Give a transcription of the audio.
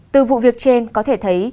từ vụ việc trên có thể thấy